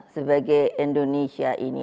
sebagai indonesia ini